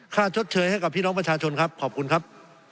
ชดเชยให้กับพี่น้องประชาชนครับขอบคุณครับ